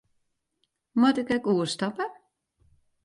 Moat ik ek oerstappe?